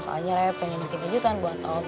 soalnya raya pengen bikin kejutan buat tahun